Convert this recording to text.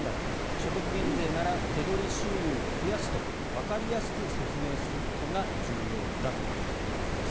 所得減税なら手取り収入を増やすとわかりやすく説明することが重要だということです。